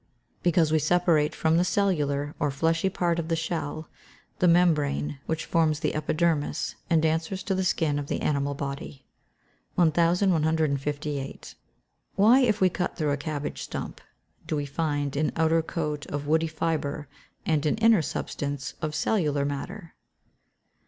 _ Because we separate from the cellular, or fleshy part of the shell, the membrane, which forms the epidermis, and answers to the skin of the animal body. 1158. _Why, if we cut through a cabbage stump, do we find an outer coat of woody fibre, and an inner substance of cellular matter?